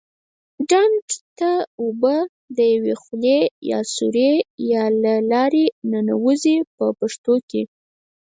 ډنډ ته اوبه د یوې خولې یا سوري له لارې ننوزي په پښتو کې.